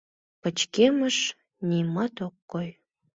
Пычкемыш, нимат ок кой.